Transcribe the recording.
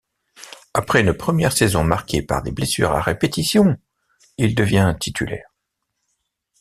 Après une première saison marquée par des blessures à répétition, il devient titulaire.